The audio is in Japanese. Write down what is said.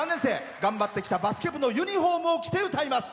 頑張ってきたバスケ部のユニフォームを着て歌います。